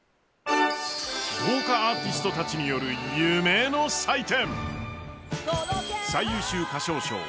豪華アーティストたちによる夢の祭典。